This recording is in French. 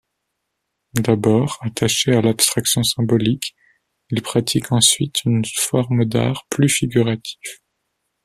D'abord attaché à l'abstraction symbolique, il pratique ensuite une forme d'art plus figuratif.